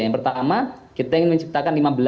yang pertama kita ingin menciptakan lima belas